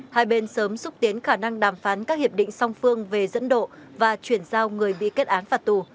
hai bên sớm xúc tiến khả năng đàm phán các hiệp định song phương về dẫn độ và chuyển giao người bị kết án phạt tù